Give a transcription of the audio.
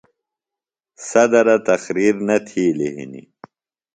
صدرہ تقریر نہ تِھیلیۡ ہِنیۡ۔